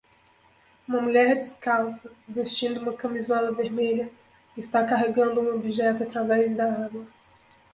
Uma mulher descalça, vestindo uma camisola vermelha está carregando um objeto através da água